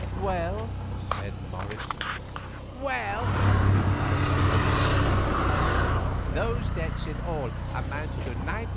"Well," said Morris. "Well," replied the Colonel coolly, "those debts in all amounted to £19,543.